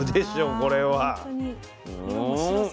これは。